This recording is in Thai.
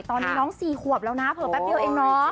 ตอนนี้น้อง๔ขวบแล้วนะเผลอแป๊บเดียวเองเนาะ